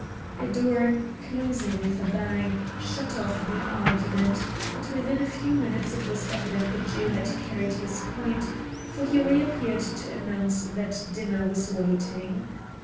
A door, closing with a bang, shut off the argument, but within a few minutes it was evident the Jew had carried his point, for he reappeared to announce that dinner was waiting.